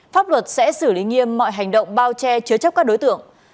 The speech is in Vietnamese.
pháp luật sẽ xử lý nghiêm mọi hành động bao che chứa chấp các đối tượng